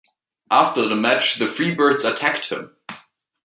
After the match, the Freebirds attacked him.